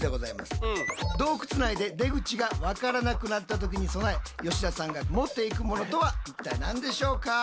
洞窟内で出口が分からなくなった時に備え吉田さんが持って行くものとは一体何でしょうか？